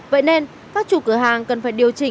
vậy nên các chủ cửa hàng cần phải điều chỉnh